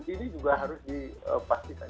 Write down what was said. ini juga harus dipastikan